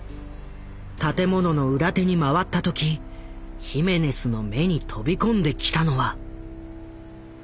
建物の裏手に回った時ヒメネスの目に飛び込んできたのは。